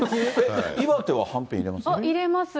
岩手ははんぺん入れますか？